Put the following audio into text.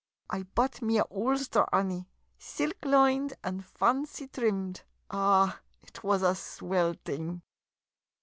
I bought me a oolster, Annie, silk lined and fancy trimmed — ah — ut was a swill t'ing.